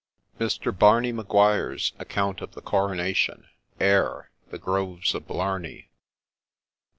MR. BARNEY MAGUIRE'S ACCOUNT OF THE CORONATION AIR. —' The Groves of Blarney.'